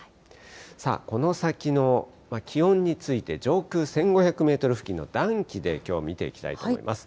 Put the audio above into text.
さあ、この先の気温について、上空１５００メートル付近の暖気できょう、見ていきたいと思います。